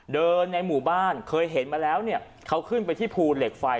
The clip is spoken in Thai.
ในหมู่บ้านเคยเห็นมาแล้วเนี่ยเขาขึ้นไปที่ภูเหล็กไฟ